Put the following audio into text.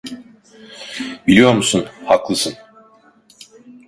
Biliyor musun, haklısın.